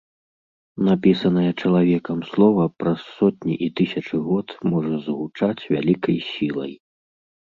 Напісанае чалавекам слова праз сотні і тысячы год можа загучаць вялікай сілай.